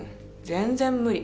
全然無理。